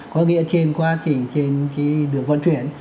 có nghĩa trên quá trình trên đường vận chuyển